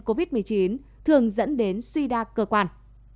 covid một mươi chín thường dẫn đến suy đa cơ quan